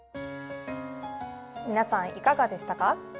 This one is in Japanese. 皆さんいかがでしたか？